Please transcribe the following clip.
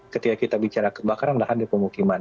ketika kita bicara kebakaran lahan di pemukiman